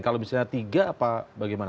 kalau misalnya tiga apa bagaimana